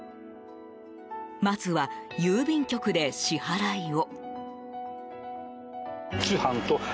まずは、郵便局で支払いを。